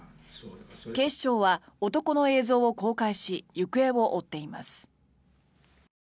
警視庁は男の映像を公開し行方を追っています。